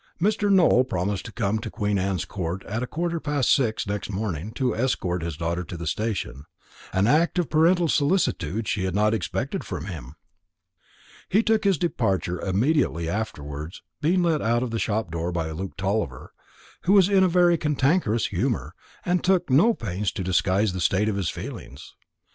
Mr. Nowell promised to come to Queen Anne's Court at a quarter past six next morning, to escort his daughter to the station, an act of parental solicitude she had not expected from him. He took his departure immediately afterwards, being let out of the shop door by Luke Tulliver, who was in a very cantankerous humour, and took no pains to disguise the state of his feelings.